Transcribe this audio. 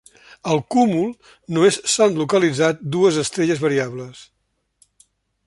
Al cúmul només s'han localitzat dues estrelles variables.